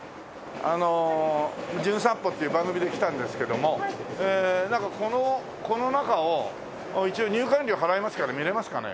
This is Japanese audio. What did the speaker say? あの『じゅん散歩』っていう番組で来たんですけどもなんかこの中を一応入館料払いますから見れますかね？